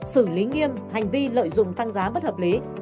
xử lý nghiêm hành vi lợi dụng tăng giá bất hợp lý